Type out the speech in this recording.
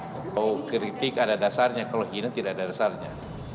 kalau kritik ada dasarnya kalau hina tidak ada dasarnya